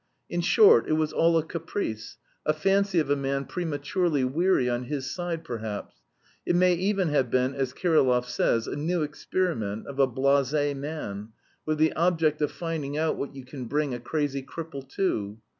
In short it was all a caprice, a fancy of a man prematurely weary on his side, perhaps it may even have been, as Kirillov says, a new experiment of a blasé man, with the object of finding out what you can bring a crazy cripple to."